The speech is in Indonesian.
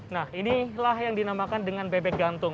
nah inilah yang dinamakan dengan bebek gantung